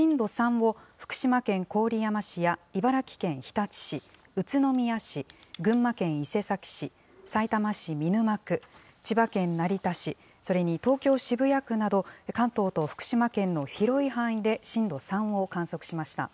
また震度３を福島県郡山市や茨城県ひたち市、宇都宮市、群馬県伊勢崎市、さいたま市見沼区、千葉県成田市、それに東京・渋谷区など、関東と福島県の広い範囲で震度３を観測しました。